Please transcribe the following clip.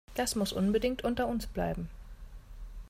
Das muss unbedingt unter uns bleiben.